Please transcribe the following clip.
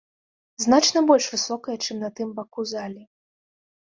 Значна больш высокае, чым на тым баку залі.